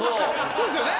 そうですよね。